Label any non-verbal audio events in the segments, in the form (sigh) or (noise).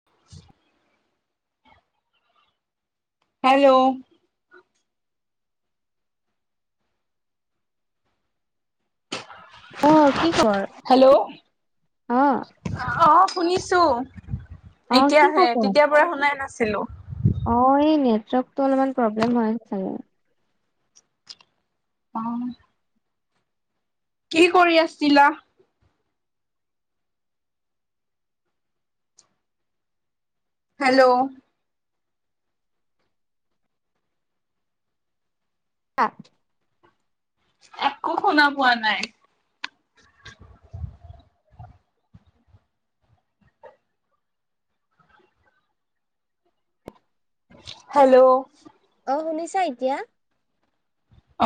(inaudible) Hello. অ', কি খবৰ অ'? অ', শুনিছো অ', কি এতিয়াহে খবৰ? তেতিয়াৰ পৰা শুনাই নাছিলো। অ', এই নেটৱৰ্কটো অলপমান প্ৰব্লেম হয় চাগে। অ'। কি কৰি আছিলা? হেল্ল'। (inaudible) একো শুনা পোৱা নাই। হেল্ল'। অ', শুনিছা এতিয়া?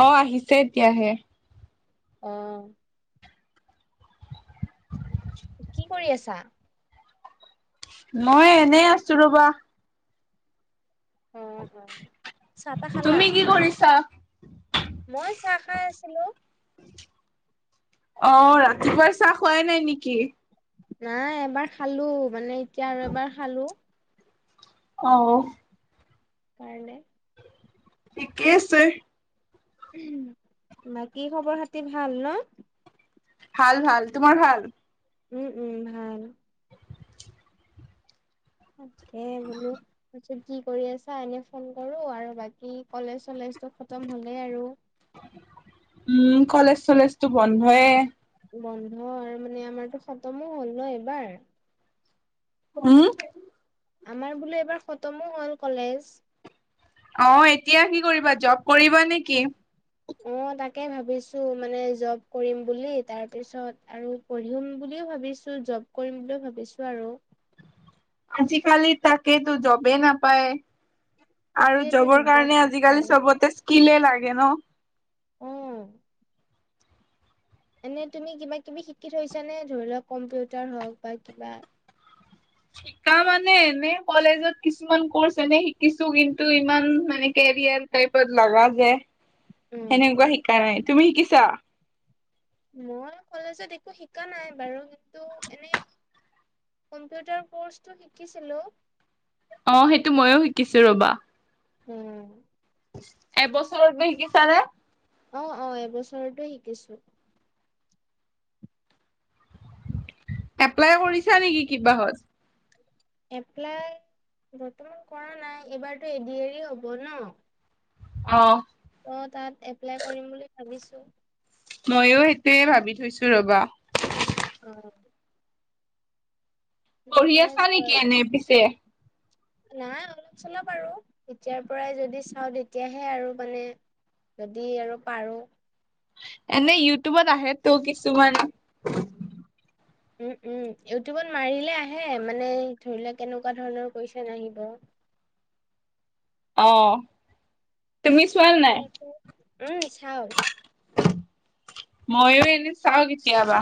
অ', আহিছে এতিয়াহে। অ'। কি কৰি আছা? মই এ এনেই আছো ৰ'বা। অ', অ', চাহ তাহ খালা? তুমি কি কৰিছা? মই চাহ খাই আছিলো। অ', ৰাতিপুৱাৰ চাহ খুৱাই নাই নেকি? নাই এবাৰ খালো মানে এতিয়া আৰু এবাৰ খালো। অ'। কাৰণে। ঠিকে আছে। বাকী খবৰ খাতি ভাল ন? ভাল ভাল, তোমাৰ ভাল? উম, উম, ভাল। তাকে বোলো কি কৰি আছা এনেই ফোন কৰো আৰু বাকী কলেজ চলেজটো খতম হ'লেই আৰু। উম, কলেজ চলেজটো বন্ধয়ে। বন্ধয়ে আৰু মানে আমাৰতো খতমো হ'ল ন এইবাৰ। উম? আমাৰ বোলো এবাৰ খতমো হ'ল কলেজ। অ', এতিয়া কি কৰিবা জব কৰিবা নে কি? অ', তাকে ভাবিছো মানে জব কৰিম বুলি। তাৰপিছত আৰু পঢ়িম বুলিও ভাবিছো জব কৰিম বুলিও ভাবিছো আৰু। আজিকালি তাকেইতো জবেই নাপায়। আৰু সেইটোয়েতো জবৰ দিগদাৰ কাৰণে হৈছে আজিকালি চবতে স্কিল লাগে ন। উম। এনে তুমি কিবা কিবি শিকি থৈছানে ধৰি লোৱা কম্পিউটাৰ হওঁক বা কিবা? শিকা মানে এনে কলেজত কিছুমান ক'ৰ্চ এনে শিকিছো কিন্তু ইমান মানে কেৰিয়াৰ (unintelligible) লগা যে উম। সেনেকুৱা শিকাই, তুমি শিকিছা? মই কলেজত একো শিকা নাই বাৰু কিন্তু এনেই কম্পিউটাৰ ক'ৰ্চটো শিকিছিলোঁ। অ', সেইটো ময়ো শিকিছো ৰ'বা। উম, এবছৰতে শিকিছানে? অ', অ', এবছৰতো শিকিছো। এপ্লাই কৰিছা নেকি, কিবা হত। এপ্লাই বৰ্তমান কৰা নাই, এইবাৰতো এদি আৰ ৰি হ'ব ন। অ', অ', তাত এপ্লাই কৰিম বুলি ভাবিছো ময়ো সেইটোৱে ভাবি থৈছো ৰবা। অ' পঢ়ি ঠিকে আছা আছে নেকি, বাৰু এনে পিছে নাই অলপ চলপ আৰু এতিয়াৰ পৰাই যদি চাওঁ তেতিয়াহে আৰু মানে যদি আৰু পাৰো। এনে, ইউটিউবত আহে তো কিছুমান। উম, উম, ইউটিউবত মাৰিলে আহে, মানে ধৰি লোৱা, কেনেকুৱা ধৰণৰ কুৱচন আহিব। অ' তুমি চোৱা না (unintelligible) উম চাও। ময়ো এনে চাওঁ কেতিয়াবা।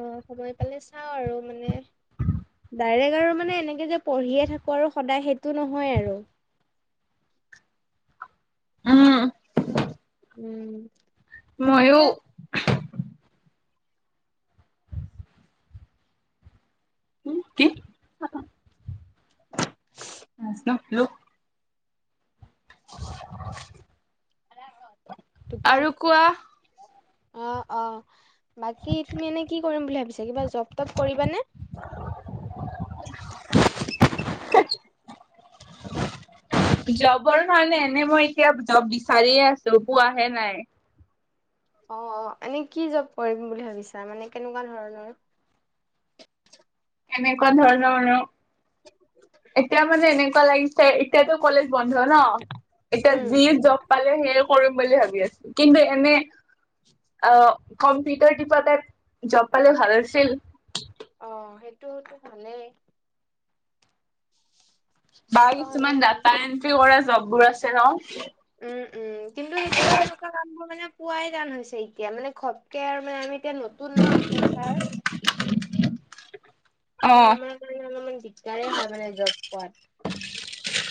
অ', সময় পালে চাও আৰু মানে ডাইৰেক্ট আৰু মানে এনেকে যে পঢ়িয়ে থাকোঁ আৰু সদায় সেইটো নহয় আৰু উম। উম। তাকে ময়ো কি (unintelligible) (unintelligible) দোকান আৰু কোৱা অ', অ' বাকী, তুমি এনে কি কৰিম বুলি ভাবিছা, কিবা জব তপ কৰিবানে? (unintelligible) জবৰ কাৰণে এনে মই এতিয়া জব বিচাৰিয়ে আছো, পোৱাহে নাই। অ', অ', এনেই কি জব কৰিম বুলি ভাবিছা মানে কেনেকুৱা ধৰণৰ এনেকুৱা ধৰণৰ আৰু এতিয়া মানে এনেকুৱা লাগিছে। এতিয়াটো কলেজ বন্ধ ন, এতিয়া উম যি জব পালে, সেয়ে কৰিম বুলি ভাবি আছো। কিন্ত এনে, অ' কম্পিউটাৰ তিপা তাত, জব পালে ভাল আছিল। অ', সেইটোওতো ভালেই। (unintelligible) বা হলে কিছুমান ভাল ডাটা এন্ট্ৰী কৰা জববোৰ আছে ন উম, উম, কিন্তু টো তেনেকুৱা কাম বোৰ মানে পুৱোৱাই টান হৈছে এতিয়া, মানে ঘপকে আৰু মানে আমি এতিয়া নতুন ন ফিউচাৰ। ত' অ আমাৰ কাৰণে অলপমান দিগদাৰে হয় মানে জব পোৱাত।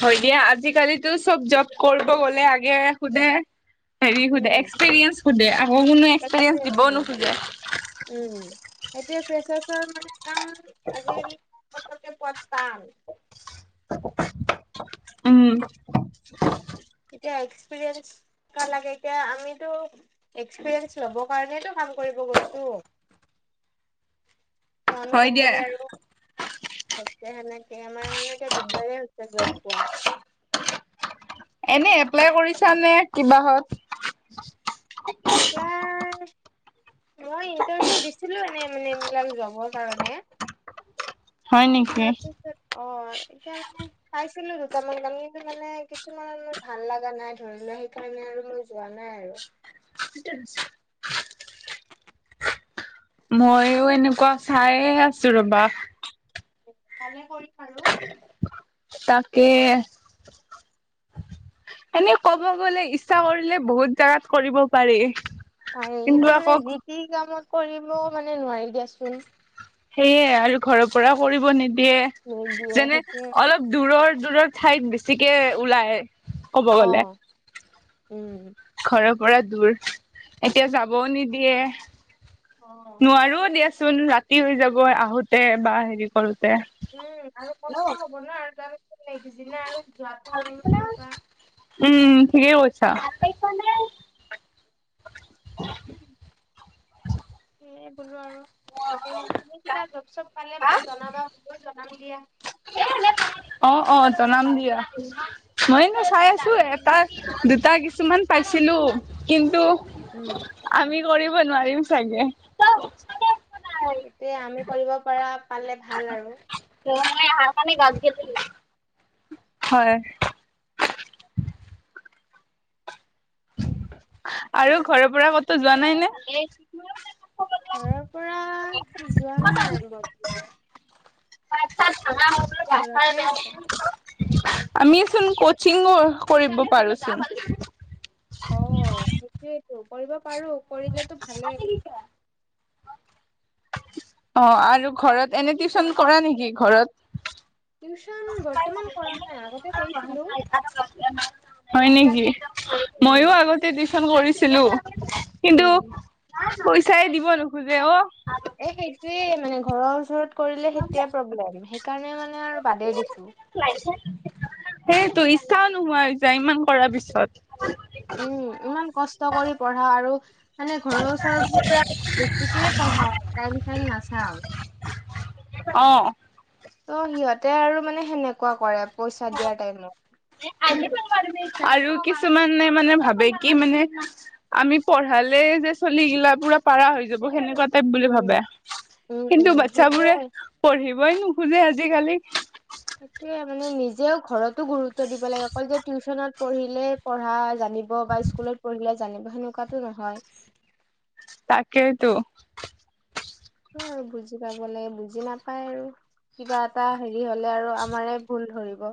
হয় দিয়া, আজিকালিতো চব জব কৰিব গলে, আগে সোধে হেৰি সোধে, উম এক্সপিৰিয়েঞ্চ সোধে, আকৌ কোনো এক্সপিৰিয়েঞ্চ দিবও নোখোজে। উম, এতিয়া ফ্ৰেচাৰছৰ মানে কাম, আজিকালি (unintelligible) পোৱা টান। উম এয়া এক্সপিৰিয়েনচ কেনেকুৱা লাগে এতিয়া আমিতো এক্সপিৰিয়েনচ লব কাৰণেটো কাম কৰিব গৈছো ত আমি হয় দিয়া কেনেকে আৰু সেনেকে আমাৰ মানে এতিয়া দিগদাৰে হৈছে জব পোৱা এনেই এপ্লাই কৰিছালে কিবাহত এপ্লাই মই ইন্টাৰভিউ দিছিলো এনে মানে এইবিলাক জবৰ কাৰণে হয় নেকি তাৰপিছত অ এতিয়া মানে পাইছিলো দুটামান কাম কিন্তু মানে কিছুমান ভাল লগা নাই ধৰি লোৱা সেইকাৰণে আৰু মই যোৱা নাই আৰু (unintelligible) মইয়ো এনেকুৱা চাইয়ে আছো ৰবা ভালে কৰিছা আৰু তাকে এনে ক'ব গলে ইচ্ছা কৰিলে বহুত জেগাত কৰিব পাৰি পাৰে কিন্তু মানে যি তি কামত কৰিব মানে নোৱাৰি দিয়াচোন সেয়ে আৰু ঘৰৰ পৰা কৰিব ৰ'দ নিদিয়ে দিয়ে যেনে সেইটোৱে অলপ দূৰৰ দূৰৰ ঠাইত বেছিকে ওলায় অ উম ঘৰৰ পৰা দূৰ এতিয়া যাবও নিদিয়ে অ নোৱাৰো দিয়াচোন ৰাতি হৈ যাব আহোতে বা হেৰি কৰোতে উম আৰু কষ্ট হ'ব ন আৰু তাৰপিছত নেক্সট দিনা আৰু যোৱাতো সেনেকুৱা উম ঠিকেই কৈছা আতৰিছা নে (unintelligible) সেয়ে কলো আৰু এ তুমি কিবা জব চব পালে মোক জনাবা মইয়ো জনাম দিয়া (unintelligible) অ অ জনাম দিয়া মই নো চাই আছো এটা দুটা কিছুমান পাইছিলো কিন্তু উম। আমি কৰিব নোৱাৰিম চাগে সেইটোয়ে আমি কৰিব পৰা পালে ভাল আৰু মানে আহাৰ কাৰনে গা ধুই আহিছে হয় (unintelligible) আৰু ঘৰৰ পৰা কতো যোৱা নাই নে ঘৰৰ পৰা যোৱা নাই বৰ ভাত চাত বনাব লাগে মাথা ঘৰতে বেয়া আছো। হৈছে আমিচোন কচিংঙো কৰিব পাৰোচোন অ সেইটোৱেইটো কৰিব পাৰো কৰিলেতো ভালেই অ আৰু ঘৰত এনে টিউচন কৰা নেকি ঘৰত টিউচন বৰ্তমান কৰা নাই আগতে কৰিছিলো হয় নেকি উম। ময়ো আগতে টিউচন কৰিছিলো কিন্তু উম। পইচাই দিব নোখোজে অ এ সেইটোৱে মানে ঘৰৰ ওচৰত কৰিলে সেইটোয়ে প্ৰব্লেম সেইকাৰণে মানে আৰু বাদেই দিছো লাইন চাইন সেইটোৱে ইচ্ছাও নোহোৱা হৈ যায় ইমান কৰাৰ পিছত উম ইমান কষ্ট কৰি পঢ়াও আৰু মানে ঘৰৰ ওচৰ বুলি পুৰা মানে বেছিকে পঢ়াও টাইম চাইম নাচাও অ ত' সিহঁতে আৰু মানে সেনেকুৱা কৰে পইচা দিয়াৰ টাইমত। আৰু কিছুমানে মানে ভাবে কি মানে আমি পঢ়ালে যে চলিগিলা পুৰা পাৰা হৈ যাব সেনেকুৱা টাইপ বুলি উম, ভাবে উম, কিন্তু উম, বাচ্ছাবোৰে সেইটোয়ে। পঢ়িবই নোখোজে আজিকালি। সেইটোয়ে মানে নিজেও ঘৰতো গুৰুত্ব দিব লাগে অকল যে টিউচনত পঢ়িলে পঢ়া জানিব বা স্কুলত পঢ়িলে জানিব সেনেকুৱাটো নহয়। তাকেইতো। হে আৰু বুজি পাব লাগে বুজি নাপায় আৰু। কিবা এটা হেৰি হলে আৰু আমাৰে ভুল ধৰিব।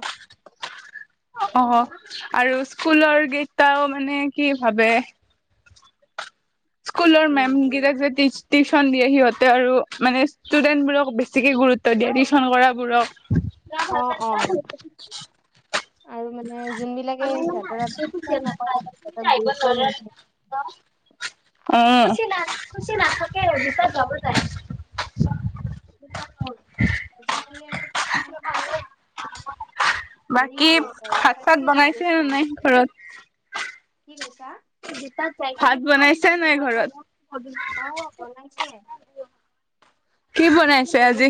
অ আৰু স্কুলৰ গেইটাও মানে কি ভাবে। স্কুলৰ উম, মেম গিলাক যে টিছ টিশচন দিয়ে সিহঁতে আৰু মানে ষ্টুডেন্টবোৰক বেছিকে গুৰুত্ব দিয়ে টিশচন কৰাবোৰক। অ', অ', আৰু মানে যোনবিলাকে সিহঁতৰত তাত নকৰে হেটক গুৰুত্বই নিদিয়ে ন খুচি নাথাকেজচত যাব নাগ (unintelligible) (inaudible) ত চি (unintelligible) বাকী হৈ গৈছে আৰু ভাত চাত চেলফিচ হৈ বনাইছে গৈছে নে নাই মানুহবোৰ ঘৰত কি কৈছা। ভাত বনাইছে নাই ঘৰত। অ বনাইছে। কি বনাইছে আজি।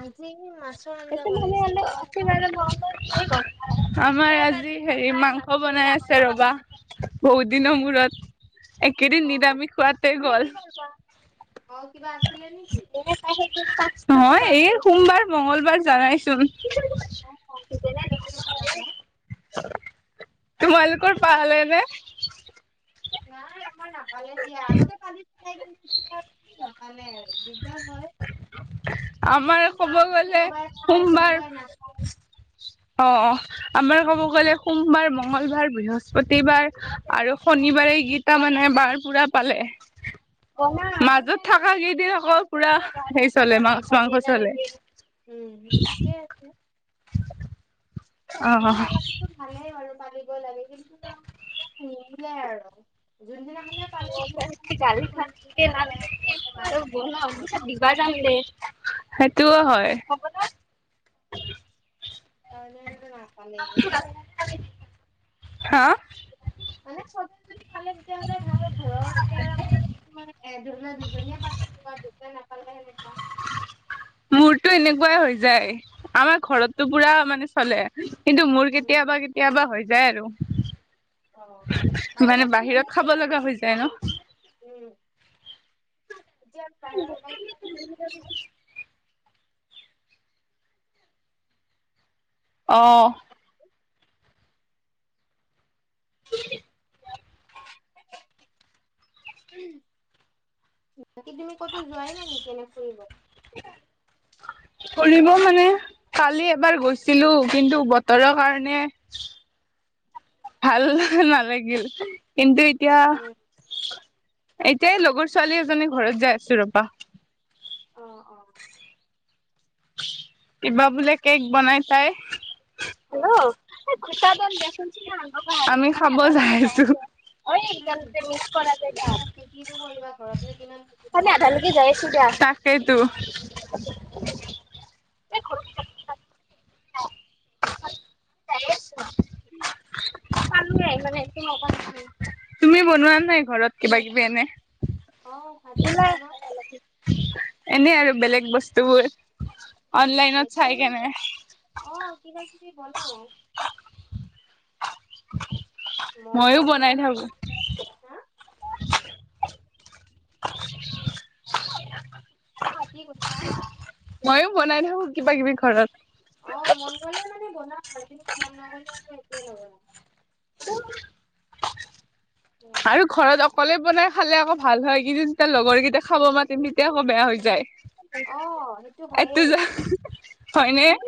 আজি মাছ (unintelligible) আমাৰ আজি হেৰি মাংস বনাই আছে ৰবা। বহুত দিনৰ অ মূৰত একেদিন নিৰামি খোৱাতে গ'ল। অ', কিবা আছিলে নেকি। নহয় এই সোমবাৰ মঙ্গলবাৰ জানাইচোন। অ তোমালোকে পালা ন তোমালোকৰ পালে নে। নাই আমাৰ মই নাপালে দিয়ে আগতে কালি চাই কিয়া আৰু। (unintelligible) হেকালে দিগদাৰ হয়। আমাৰ ক'ব গ'লে কোনোবাই খাই সোমবাৰ কোনোবাই নাখায় অ', অ'। আমাৰ ক'ব গ'লে সোমবাৰ মংগলবাৰ বৃহস্পতিবাৰ আৰু শনিবাৰে গীত তামানে বাৰ পুৰা পালে। (inaudible) অ মাজত থকা কেইদিন আকৌ পুৰা সেই চলে মাছ মাংস চলে। উম ঠিকেই আছে। অ মিন পালনতো ভালেই বাৰু পালিবই লাগে কিন্তু হেই হিয়াই আৰু যোনদিনা খনে গালি থাকে ন এনেকে মাছ আৰু আনিব ব মাংস অত আনিব দিবা জানে। (unintelligible) সেইটোও হয়। কাৰণ নাপালে। হা। মানে চবে যদি পালে, তেতিয়াহলে (unintelligible) ঘৰৰ এতিয়া আমাৰ তোমাৰ এজন দুজনিয়ে পালে, তোমাৰ (unintelligible) নাপালে সেনেকুৱা। মোৰতো এনেকুৱাই হৈ যায়। আমাৰ ঘৰতটো উম পুৰা মানে চলে। কিন্তু মোৰ উম, কেতিয়াবা কেতিয়াবা হৈ যায় আৰু। অ মানে বাহিৰত খাব লগা হৈ যায় ন। উম এতিয়া বাহিৰত গৈ (inaudible) অঁ', (inaudible) বাকী তুমি কতো যোৱাই নাই নেকি, এনে ফুৰিব। (inaudible) ফুৰিব মানে, কালি এবাৰ গৈছিলো কিন্তু বতৰৰ কাৰণে ভাল নালাগিল কিন্তু এতিয়া উম এতিয়া এই লগৰ ছোৱালী এজনী ঘৰত যাই আছো ৰ'বা অ' অ' কিবা বোলে কেক বনাই তাই। অ হেল্ল' (unintelligible) আমি খাব যাই আছোঁ। অ' এই অ (unintelligible) মিছ কৰা যায় ঠিকে আছে কিনো কৰিবা ঘৰতনো কিমান থাকিবা (unintelligible) আমি যাই আছোঁ দিয়া। তাকেইটো এই ঘৰত (unintelligible) (unintelligible) (unintelligible) তুমি বনোৱা নাই ঘৰত কিবা কিবি এনে অ' ভাত চাত বনাও। এনে আৰু বেলেগ বস্তুবোৰ অনলাইনত এতে চাই কেনে। অ' কিবা কিবি বনাও। মইয়ো মম' চম' বনাই থাকোঁ। বনোৱা যায়। হা (unintelligible) (unintelligible) কি কৈছা? মইয়ো বনাই থাকো কিবা কিবি ঘৰত। অ' মন গলে মানে বনাম আৰু কিন্তু মন নগলে আৰু একোৱেই নবনাও। আৰু ঘৰত অক অকলে বনাই খালে আকৌ ভাল হয়, কিন্তু যেতিয়া লগৰকেইটা খাব মাতিম তেতিয়া আকৌ বেয়া হৈ যায়। অ সেইটো এইটো হয়েই যা হয়নে?